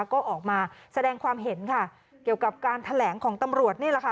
ก็ออกมาแสดงความเห็นค่ะเกี่ยวกับการแถลงของตำรวจนี่แหละค่ะ